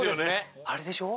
あれでしょ。